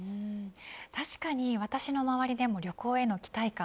確かに私の周りでも旅行への期待感